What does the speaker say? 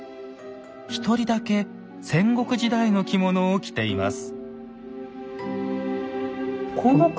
一人だけ戦国時代の着物を着ています。